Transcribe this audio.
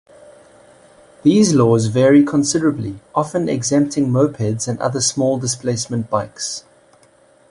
These laws vary considerably, often exempting mopeds and other small-displacement bikes.